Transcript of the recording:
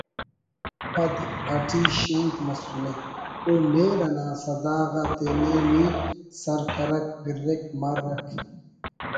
پد'' اٹی شینک مسنے: ''او مہر انا صدا غا تینے نی سر کرک پرّک مرک